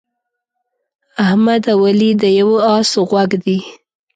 احمد او علي د یوه اس غوږ دي.